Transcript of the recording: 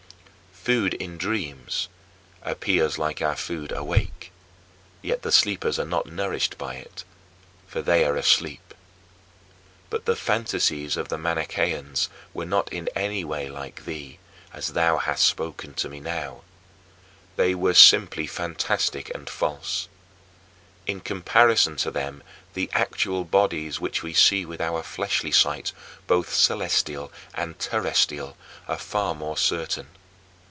Food in dreams appears like our food awake; yet the sleepers are not nourished by it, for they are asleep. But the fantasies of the Manicheans were not in any way like thee as thou hast spoken to me now. They were simply fantastic and false. In comparison to them the actual bodies which we see with our fleshly sight, both celestial and terrestrial, are far more certain.